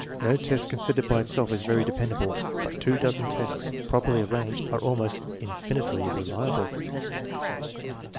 No test con sidered by itself is very dependable, but two dozen tests, properly arranged, are almost infinitely reliable.